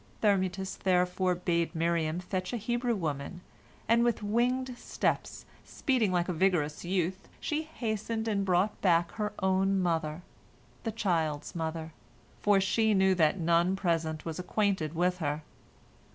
Thermutis therefore bade Miriam fetch a Hebrew woman, and with winged steps, speeding like a vigorous youth, she hastened and brought back her own mother, the child's mother, for she knew that none present was acquainted with her.